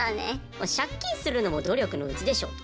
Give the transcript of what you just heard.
借金するのも努力のうちでしょと。